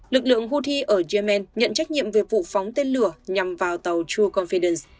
lực lượng houthi ở yemen nhận trách nhiệm về vụ phóng tên lửa nhằm vào tàu true confidence